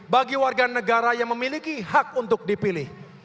bagi warga negara yang memiliki hak untuk dipilih